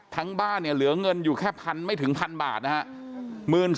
ทั้งบ้านเนี่ยเหลือเงินอยู่แค่๑๐๐ไม่ถึง๑๐๐บาทนะครับ